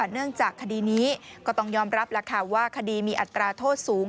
เนื่องจากคดีนี้ก็ต้องยอมรับแล้วค่ะว่าคดีมีอัตราโทษสูง